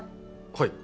はい。